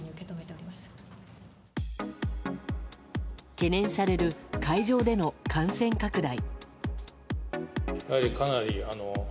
懸念される会場での感染拡大。